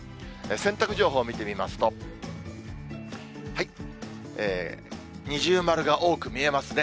洗濯情報を見てみますと、二重丸が多く見えますね。